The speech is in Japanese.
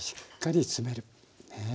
ねえ。